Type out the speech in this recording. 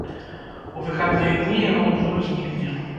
У выхадныя дні яго ўплыў знікне.